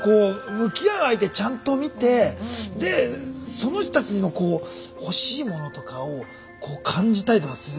向き合う相手ちゃんと見てでその人たちのこう欲しいものとかをこう感じたりとかする。